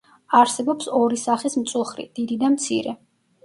არსებობს ორი სახის მწუხრი: დიდი და მცირე.